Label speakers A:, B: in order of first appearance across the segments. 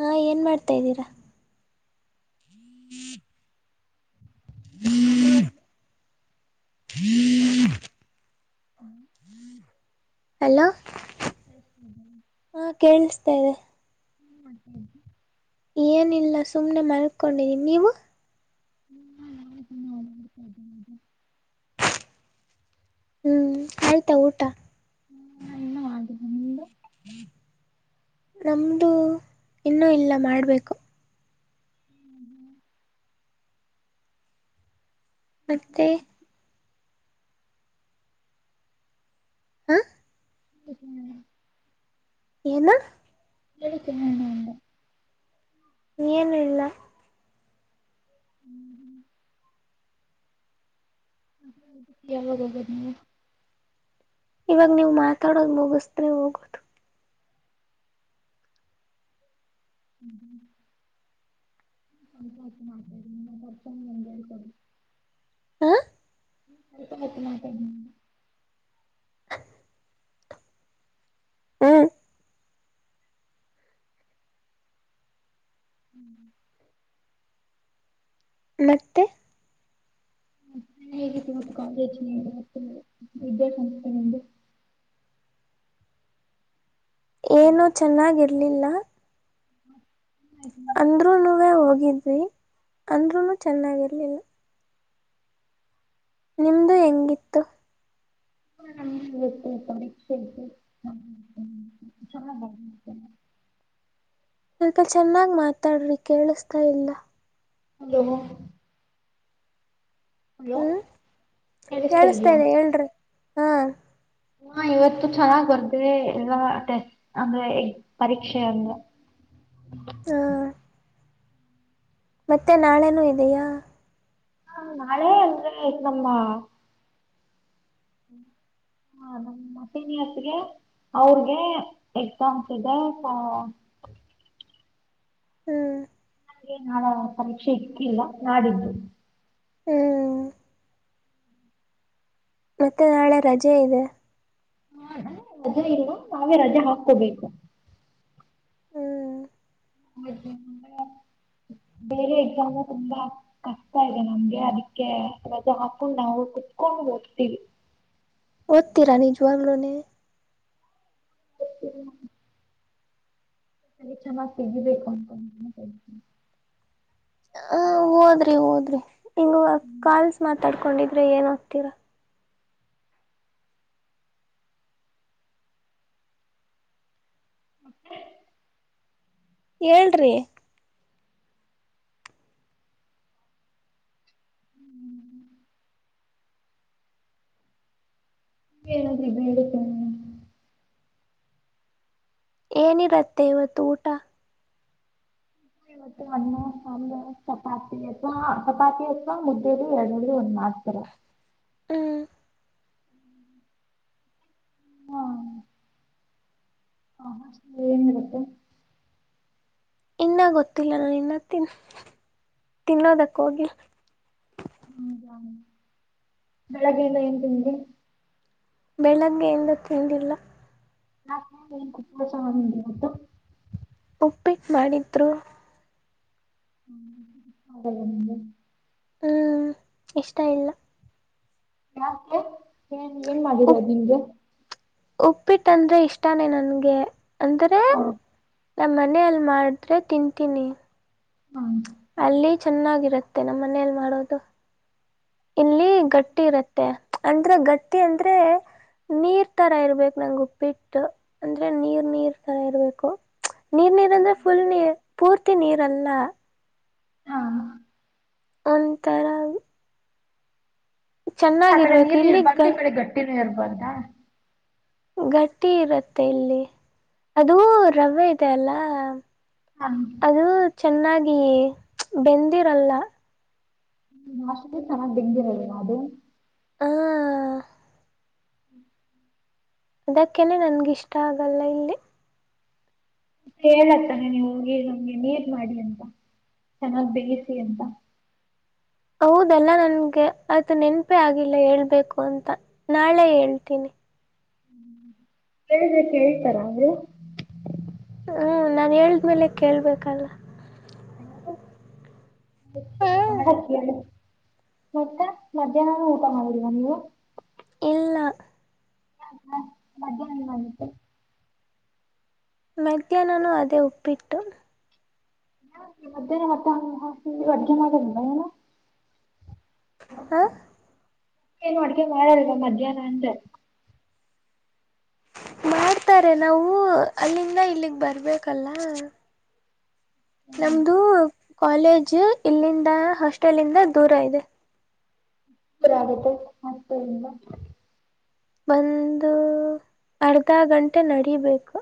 A: ಹಾ ಏ, ನ್ ಮಾಡ್ತಾದೀರಾ ಹ್ಮ [inaudible]
B: [inaudible]
A: ಹ [unintelligible]
B: ಹ್ಮ್ [inaudible]
A: ಅಲೋ,
B: ಇದೆ
A: ಹಾ ಕೇಳಿಸ್ತೇದೆ.
B: ಹ ಹ [inaudible]
A: ಏನಿಲ್ಲ ಸುಮ್ನೆ ಮಲ್ಕೊಂಡಿದೀನಿ. ನೀವು-
B: ಹ್ಮ್ ಹ್ಮ್ [inaudible]
A: ಹ್ಮ್, ಆಯ್ತಾ ಊಟ
B: ಇನ್ನೂ ಆಗಿಲ್ಲ ನಿಮ್ಮದು
A: ನಮ್ದು ಇನ್ನೂ ಇಲ್ಲ ಮಾಡ್ಬೇಕು. ಮತ್ತೆ, ಹಾ,
B: ಹ್ಮ [inaudible]
A: ಏನು?
B: ಗಲಿಿಕ್ಣಂದ [unintelligible]
A: ಎನಿಲ್ಲ,
B: ವಾಗ [inaudible]
A: ಇವಾಗ ನೀವುಮಾತಾಡೋದು ಮುಗಸಿದ್ರೆ ಹೋಗೋದು.
B: ಹ್ಮ್ ಹ್ಮ [inaudible] ಅ ಮಾಡತ ಕೊರ್ಚ ಎ [unintelligible]
A: ಹ [unintelligible]
B: ಹತ್ತ ಮಾ [inaudible]
A: ಹ [inaudible] ಹಾ [unintelligible]
B: ಹ್ಮ್
A: ಮತ್ತೆ
B: ಹೇಗಿತ್ತು ಮ ಕಾಲೇಜ್ ನಿ ಮ ವಿದ್ಯಾಸಂಸ್ಥೆ ನಿಂದು
A: ಏನು ಚೆನ್ನಾಗಿರ್ಲಿಲ್ಲ ಅಂದ್ರರುನುವೇ ಹೋಗಿದ್ವಿ ಅಂದ್ರೂನು ಚೆನ್ನಾಗಿರ್ಲಿಲ್ಲ ನಿಮ್ದು ಹೆಂಗಿತ್ತು
B: ಸಮೀಕ್ಷೆ [inaudible]
A: ಸ್ವಲ್ಪ ಚೆನ್ನಾಗ್ ಮಾತಾಡ್ರಿ ಕೇಳಿಸತಾ ಇಲ್ಲ
B: ಹಲೋ ಹಲೋ
A: ಹ್ಮ್
B: ಷ್ಟೈಯ
A: ಕೇಳಿಸ್ತಾ ಇದೆ ಹೇಳ್ರಿ ಹಾ
B: ಹಾ ಇವತ್ತು ಚೆನ್ನಾಗ್ ಬರ್ದೇ ಎಲ್ಲ ಅತ್ತೆ ಅಂದ್ರೆ ಪರೀಕ್ಷೆ ಅಂದ್ರ ಹ
A: ಹ ಮತ್ತೆ ನಾಳೆನೂ ಇದೆಯಾ
B: ಹಾ ನಾಳೆ ಅಂದ್ರೆ ನಮ್ಮ ಹಾ ನಮ ಮತ್ತನಿ ಹೊತ್ಗೆ ಅವ್ರಗೆ ಎಕ್ಸಾಮ್ಸ್ ಇದೆ
A: ಹ್ಮ್
B: ನಾಳ ಪರೀಕ್ಷೆ ಇಕ್ಕಿಲ್ಲ ನಾಡಿದ್ದು
A: ಹ್ಮ್ ಮತ್ತೆ ನಾಳೆ ರಜೆ ಇದೆ
B: ಹ ರಜೆ ಇಲ್ರುವ ನಾವೇ ರಜೆ ಹಾಕೋಬೇಕು
A: ಹ್ಮ್
B: ಹ ಬೇರೆ ಎಕ್ಸಾಮು ತುಂಬಾ ಕಷ್ಟ ಇದೆ ನಮ್ಗೆ ಅದಕ್ಕೆ ರಜಾ ಹಾಕೊಂಡು ನಾವು ಕುತ್ಕೊಂಡು ಹಓಗತೀವಿ
A: ಓದ್ತಿರ ನೀಜುವಂಗ್ಳನ
B: ಹತ್ತ ಪರೀಕ್ಷ ಮಾಡ ಸಿಗ ಬೇಕು
A: ಹ ಹಓದ್ರಿ ಓದ್ರಿ ಹಂಗ ಕಾಲ್ಸ್ ಮಾತಾಡ್ಕೊಂಡಿದ್ರೆ ಏನ ತ್ತರ
B: ಮತ್ತೆ
A: ಹೇಳ್ರಿ
B: ಹ್ಮ್ ಹೇಳದ ಬತ್ತೇನೆ
A: ಏನಿರತ್ತೆ ಇವತ್ತು ಊಟ
B: ಇವ ಅಣ್ಣ ಸಾಂಬ್ರೆ ಚಪಾತಿ ಅಥವಾ ಚಪಾತಿ ಅಥವಾ ಮುದ್ದಲಿ ಎರಡರಲ್ಲಿ ಒಣ. ಆತರ
A: ಹ್ಮ್
B: ಹಾ ಹ ಏನ್ರುತ್ತೆ
A: ಇನ್ನ ಗೊತ್ತಿಲ್ಲ ನಾನ ಇನ್ನತ್ತನ್ ತಿನ್ನೋದಕ್ಕ ಹೋಗಿ
B: ಹಾ ಬೆಳಗಿನ ಏನ್ ತಿಂಡಿ
A: ಬೆಳಗ್ಗೆ ಎಂದ ತಿಂದಿಲ್ಲ
B: ನಾಸ ಮತ್ತು
A: ಪಿಟ್ ಮಾಡಿದ್ದರು
B: ಹ್ಮ ಹೌ
A: ಹ್ಮ್ ಇಷ್ಟ ಇಲ್ಲ
B: ಯಾಕೆ ಏನ್ ಏನ್ ಮಾಡರ ನಿಮಗೆ
A: ಉಪ್ಪಿಟ್ಟಂದ್ರೆ ಇಷ್ಟಾನೇ ನನ್ಗೆ ಅಂದ್ರೆ
B: ಹಾ
A: ನಮ್ಮ ಮನಲ್ ಮಾಡಿದ್ರೆ ತಿಂತೀನಿ
B: ಹಾ
A: ಅಲ್ಲಿ ಚೆನ್ನಾಗಿರುತ್ತೆ ನಮ್ಮ ಮನೇೆಯಲ್ಲಿ ಮಾಡೋದು. ಇಲ್ಲಿ ಗಟ್ಟಿ ಇರುತ್ತೆ ಅಂದ್ರೆ ಗಟ್ಟಿ ಅಂದ್ರೆ ನೀರ್ ತರ ಇರ್ಬೇಕು ನಂಗೆ ಉಪ್ಪಿಟ್ಟು ಅಂದ್ರೆ ನೀರ್ ನೀರ್ ತರ ಇರ್ಬೇಕು. ನೀರ್ ನೀರ ಅಂದ್ರೆ ಫುಲ್ ನೀ ಪೂರ್ತಿ ನೀರ್ ಅಲ್ಲ. ಒಂತರ.
B: ಅಂದ್ರೆ ಆ ಕಡೆ ನೀರು
A: ಇಲ್ಲಿ ಗ
B: ಇರ್ಬಾರ್ದು ಈ ಕಡೆ ಗಟ್ಟಿನೂ ಇರ್ಬಾರ್ದ.
A: ಗಟ್ಟಿ ಇರುತ್ತೆ ಇಲ್ಲಿ ಅದೂ ರವೆ ಇದೆ ಅಲ್ಲ.
B: ಹ.
A: ಅದು ಚೆನ್ನಾಗಿ ಬೆಂದಿರಲ್ಲ.
B: ನಾಷ್ಟಿಗೆ ಚೆನ್ನಾಗಿ ಬೆಂದಿರಲ್ಲ ಅದು.
A: ಹ
B: ಹ್ಮ್.
A: ಅದಕ್ಕೇನೆ ನನ್ಗಿಷ್ಟ ಆಗಲ್ಲ ಇಲ್ಲಿ.
B: ಮತ್ತೆ ಹೇಳತಾನ ನೀವು ಹೋಗ ಈ ನಮ್ಗೆ ನೀರ್ ಮಾಡಿ ಅಂತ. ಚೆನ್ನಾಗ್ ಬೇಯಿಸಿ ಅಂತ.
A: ಹೌದೆಲ್ಲಾ ನನ್ಗೆ ಅದ ನೆನಪೆ ಆಗಿಲ್ಲ ಹೇಳ್ಬೇಕು ಅಂತ ನಾಳೆ ಹೇಳ್ತೀನಿ.
B: ಹೇಳಿದ್ರೆ ಕೇಳ್ತಾರ ಅವರು.
A: ಹ್ಞೂ ನಾನ ಹೇಳಿದ್ಮೇಲೆ ಕೇಳಬೇಕಲ್ಲ.
B: ಮಾಡಕಹೇಳು. ಮತ್ತೆ ಮಧ್ಯಾಹ್ನಾನ ಊಟ ಮಾಡಿಲ್ವಾ ನೀವು.
A: ಇಲ್ಲ.
B: ಹಾ ಹಾ ಮಧ್ಯಾಹ್ನ ಆಗತ್ತು.
A: ಮಧ್ಯಾಹ್ನನ ಅದೇ ಉಪ್ಪಿಟ್ಟು.
B: [unintelligible]
A: ಹಾ.
B: ಏನು ಅಡುಗೆ ಮಾಡಲ್ವಾ ಮಧ್ಯಾಹ್ನ ಅಂದೇ.
A: ಮಾಡ್ತಾರೆ ನಾವು ಅಲ್ಲಿಂದ ಇಲ್ಲಿಗ್ ಬರ್ಬೇಕಲ್ಲ. ನಮ್ದು ಕಾಲೇಜ್ ಇಲ್ಲಿಂದ ಹಾಸ್ಟೆಲ್ಂದ ದೂರ ಇದೆ.
B: [unintelligible] ಆಗತ್ತೆ ಹಾಸ್ಟೆಲ್ ಇಂದ.
A: ಒಂದು ಅರ್ಧ ಗಂಟೆ ನಡಿಬೇಕು.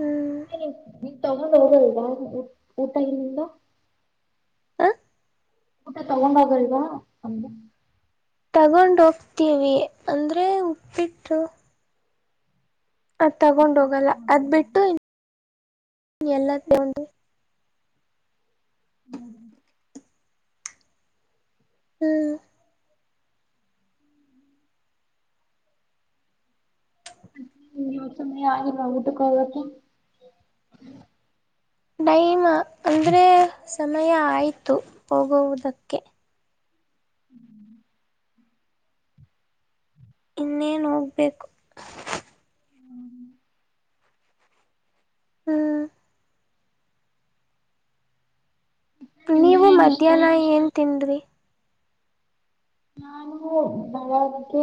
A: ಹ್ಮ್.
B: ಮತ್ತ ನೀನ್ ತಗೊಂಡ ಹೋಗಲ್ವಾ ಊ ಊಟ ಇಲ್ಲಿಂದ.
A: ಹ.
B: ಊಟ ತಗೊಂಡ್ ಹೋಗಲ್ವಾ ಅಂದೆ
A: ತಗೊಂಡ ಹೋಗ್ತೀವಿ ಅಂದ್ರೆ ಉಪ್ಪಿಟ್ಟು. ಅದ್ ತಗೊಂಡ್ ಹೋಗಲ್ಲ ಅದ್ ಬಿಟ್ಟು ಎಲ್ಲ ತಗೊಂಡ
B: [inaudible]
A: ಹ್ಮ್.
B: ಸಮ್ಮಯ ಆಗಿಲ್ಲ ಊಟಕ್ಕೆ ಹೋಗತ್ತು.
A: ಟೈಮ್ ಅಂದ್ರೆ ಸಮಯ ಆಯ್ತು ಹೋಗುವುದಕ್ಕೆ.
B: ಹ್ಮ್.
A: ಇನ್ನೇನ್ ಹೋಗ್ಬೇಕು. ಹ್ಮ್. ನೀವು
B: ನಿಮ್ಗೇನೇನ್ ಇಷ್ಟ?
A: ಮಧ್ಯಾಹ್ನ ಏನ್ ತಿಂದ್ರಿ.
B: ನಾನು ಬೆಳಗ್ಗೆ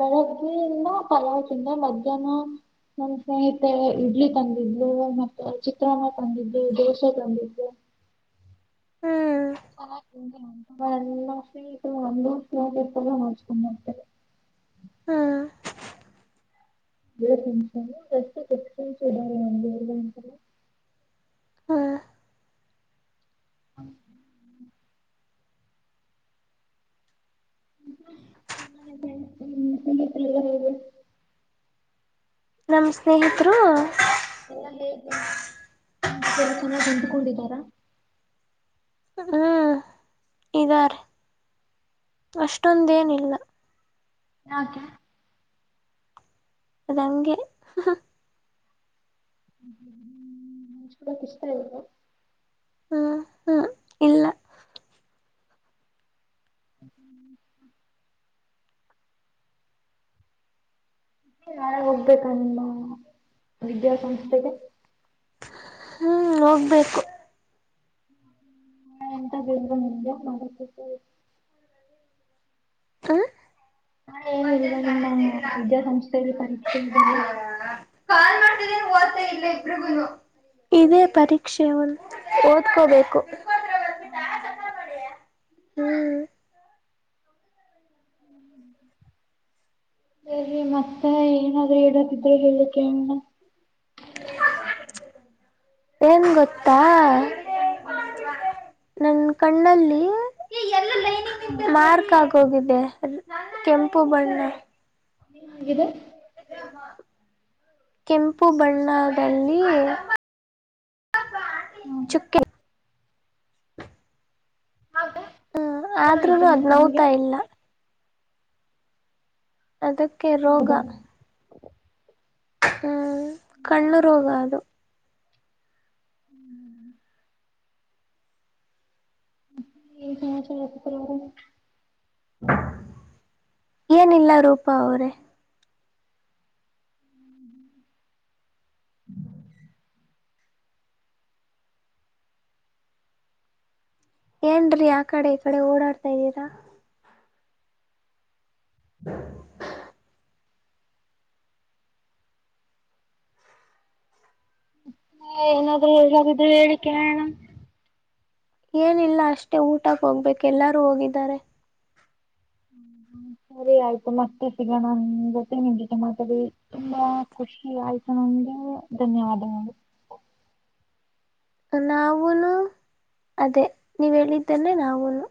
B: ಬೆಳಗ್ಗೆ ಎಲ್ಲ ಪಲತಿಂದ ಮಧ್ಯಾಹ್ನ. ನಮ ಸ್ನೇಹಿತ ಇಡ್ಲಿ ತಂದಿದ್ಲು ಮತ್ತ ಚಿತ್ರಾನಾ ತಂದಿದ್ಲು ದೋಸೆ ತಂದಿದ್ಲು. [inaudible]
A: ಹ್ಮ್
B: ಅವ ಎನ್ನಷ ಇ ಒಂದುಷ ಎಪ್ಪಲ್ಲ ಮಾಡೋಚ್ಕೊಂಡತಾರೆ.
A: ಹ್ಮ.
B: ನಿಂ ಜಸ್ತಿ ಕೊದ ಒಂತ [unintelligible]
A: ಹಾ
B: ಹ್ಮ [unintelligible]
A: ನಮ್ಮ್ ಸ್ನೇಹಿತರು
B: ಎಲ್ಲಾ ಹೇಗೆ ನಿಮ ಜೊತೆ ಎಲ್ಲ ಚೆನ್ನಾಗಿ ಹೊಂದಕೊಂಡಿದ್ದಾರ
A: ಇದಾರೆ ಅಷ್ಟೊಂದೇನಿಲ್ಲ
B: ಯಾಕೆ
A: ಅದಂಗೆ
B: [unintelligible]
A: ಹ್ಮ ಹ್ಮ್ ಇಲ್ಲಾ
B: ಹ್ಮ್ ನಾಳೆ ಹೋಗ್ಬೇಕ ವಿದ್ಯಾಸಂಸ್ಥೆಗೆ
A: ಹ್ಮ ಹೋಗ್ಬೇಕು
B: [unintelligible]
A: ಹ್ಮ
B: ಹಾ ಏನಿಲ್ವಾ ನಿಮ್ಮ ವಿದ್ಯಾಸಂಸ್ಥೆಯಲ್ಲಿ ಪರೀಕ್ಷೆ ಇದಿಲ್ಲ
A: [unintelligible] ಇದೇ ಪರೀಕ್ಷೆಯಂದು ಓದ್ಕೋಬೇಕು
B: [unintelligible]
A: ಹ್ಮ್
B: ಬರಿ ಮತ್ತೆ ಏನಾದ್ರೂ ಇಡದಿದ್ರೆ ಹೇಳಕ್ಕೆಣ [inaudible]
A: ಏನ್ ಗೊತ್ತಾ ನನ್ ಕಣ್ಣಲ್ಲಿ [unintelligible] ಕೆಂಪು ಬಣ್ಣ
B: [unintelligible]
A: ಕೆಂಪು ಬಣ್ಣದಲ್ಲಿ
B: ಹ್ಮ್
A: ಚುಕ್ಕಿ
B: ಹಾಗೆ ಏನಾಯ್ತು
A: ಆದ್ರೂನು
B: ನಿಮ್
A: ಅದ್
B: ಕಣ್ಣಿಗೆ
A: ನೋತಾ ಇಲ್ಲ ಅದಕ್ಕೆ
B: ಹೌದಾ
A: ರೋಗಾ ಹ್ಮ್ ಕಲೂ ರೋಗ ಅದು
B: ಏನ್ ಸಮಾಚಾರ
A: ಏನಿಲ್ಲ ರೂಪಾ ಅವ್ರೇ ಏನ್ರೀ ಆ ಕಡೆ ಈ ಕಡೆ ಓಡಾಡ್ತಾ ಇದ್ದೀರಾ [inaudible]
B: ಹ ಏನಾದ್ರೂ ಹೇಳೋದೀದ್ರೆ ಹೇಳಿ ಕೇಳೋಣ
A: ಏನಿಲ್ಲ ಅಷ್ಟೇ ಊಟಕ್ಕೆ ಹೋಗ್ಬೇಕ್ ಎಲ್ಲಾರು ಹೋಗಿದ್ದಾರೆ
B: ಹ್ಮ್ ಸರಿ ಆಯ್ತು ಮತ್ತೆ ಸಿಗೋಣ ಜೊತೆ ನಿಮಗೆ ಜ ಮಾತರಿ ತುಂಬಾ ಖುಷಿ ಆಯ್ತಣ ಬಹಳ ಧನ್ಯವಾದಗಳು
A: ನಾವೂನು ಅದೇ ನೀವ ಹೇಳಿದ್ದೇನೆ ನಾವುನು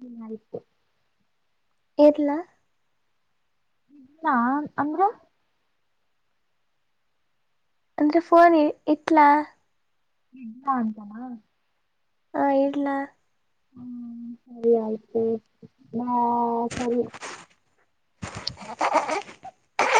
B: ಹ್ಮ್ ಆಯಿತು
A: ಇಡ್ಲಾ
B: ಲ್ಲ ಅಂದ್ರೆ
A: ಅಂದ್ರೆ ಫೋನ್ ಇಕ್ಲಾ
B: ಇಲ್ಲಾ ಅಂತಾನಾ
A: ಹಾ ಇಡ್ಲಾ
B: ಹ್ಮ್ ಸರಿ ಆಯ್ತು ನಾ ಸರಿ
A: [inaudible]